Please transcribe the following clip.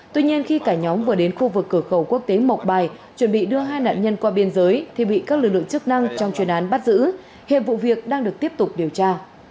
tuy nhiên khi cả nhóm vừa đến khu vực cửa khẩu quốc tế mộc bài chuẩn bị đưa hai nạn nhân qua biên giới thì bị các lực lượng chức năng trong chuyên án bắt giữ hiệp vụ việc đang được tiếp tục điều tra